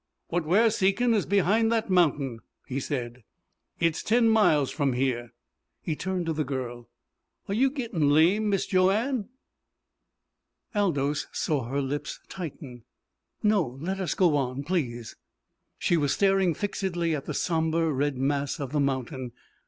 "What we're seekin' is behind that mountain," he said. "It's ten miles from here." He turned to the girl. "Are you gettin' lame, Mis' Joanne?" Aldous saw her lips tighten. "No. Let us go on, please." She was staring fixedly at the sombre red mass of the mountain.